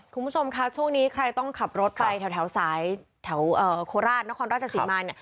คุณผู้ชมคะช่วงนี้ใครต้องขับรถไปแถวสายแถวโคราชนครราชสีมาเนี่ย